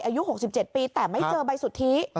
อายุ๖๗ปีแต่ไม่เจอใบสุทธิ